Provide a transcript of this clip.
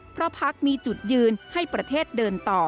เพราะพักมีจุดยืนให้ประเทศเดินต่อ